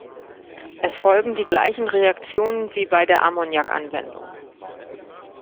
Es folgen die gleichen Reaktionen wie bei der Ammoniak-Anwendung.